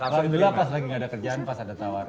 alhamdulillah pas lagi nggak ada kerjaan pas ada tawaran